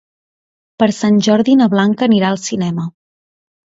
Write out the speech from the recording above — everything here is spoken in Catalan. Per Sant Jordi na Blanca anirà al cinema.